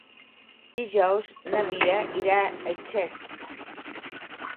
Dijous na Mira irà a Xest.